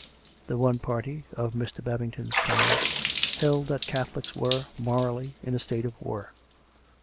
The one party — of Mr. Babington's kind — held that Catholics were, morally, in a state of war.